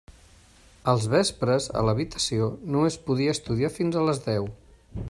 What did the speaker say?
Als vespres, a l'habitació, només podia estudiar fins a les deu.